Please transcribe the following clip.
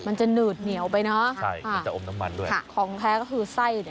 มันจะหนืดเหนียวไปเนี่ย